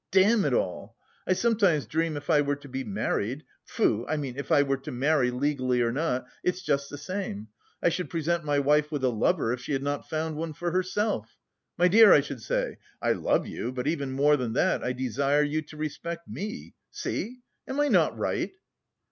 Damn it all! I sometimes dream if I were to be married, pfoo! I mean if I were to marry, legally or not, it's just the same, I should present my wife with a lover if she had not found one for herself. 'My dear,' I should say, 'I love you, but even more than that I desire you to respect me. See!' Am I not right?"